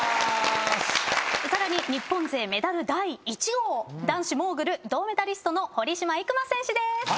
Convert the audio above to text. さらに日本勢メダル第１号男子モーグル銅メダリストの堀島行真選手です。